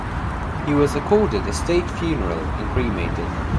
He was accorded a State funeral and cremated.